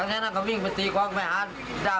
หลังจากนั้นก็วิ่งไปตีของไปหาด้ำ